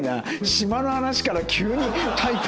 島の話から急にタイプ。